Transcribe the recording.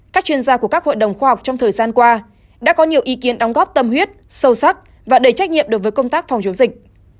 các chuyên gia của các hội đồng khoa học trong thời gian qua đã có nhiều ý kiến đóng góp tâm huyết sâu sắc và đầy trách nhiệm đối với công tác phòng chống dịch